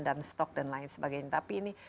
dan stok dan lain sebagainya tapi ini